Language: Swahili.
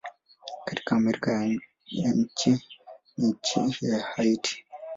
Katika Amerika ni nchi ya Haiti.